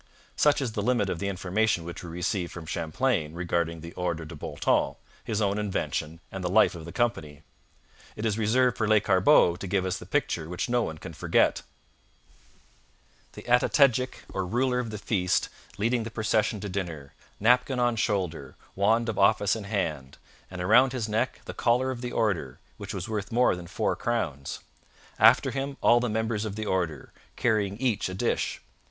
Such is the limit of the information which we receive from Champlain regarding the Ordre de Bon Temps, his own invention and the life of the company. It is reserved for Lescarbot to give us the picture which no one can forget the Atoctegic, or ruler of the feast, leading the procession to dinner 'napkin on shoulder, wand of office in hand, and around his neck the collar of the Order, which was worth more than four crowns; after him all the members of the Order, carrying each a dish.'